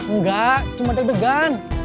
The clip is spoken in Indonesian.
enggak cuma deg degan